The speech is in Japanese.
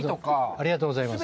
ありがとうございます。